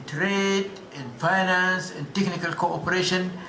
dalam perusahaan dalam keuangan dalam kooperasi teknis